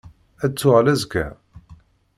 Ad d-tuɣal azekka?